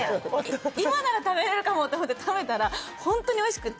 今なら食べれるかもって思って食べたらホントにおいしくて。